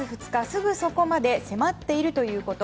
すぐそこまで迫っているということ。